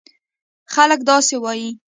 خلک داسې وایي: